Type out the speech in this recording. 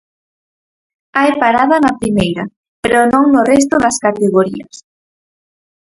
Hai parada na Primeira, pero non no resto das categorías.